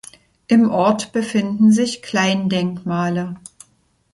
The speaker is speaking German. Im Ort befinden sich Kleindenkmale.